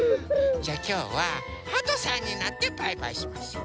じゃあきょうははとさんになってバイバイしましょう。